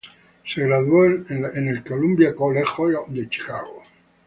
Se graduó en el Columbia College de Chicago.